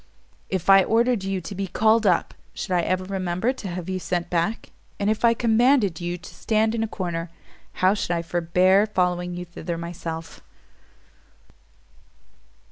If I ordered you to be called up, should I ever remember to have you sent back? And if I commanded you to stand in a corner, how should I forbear following you thither myself?"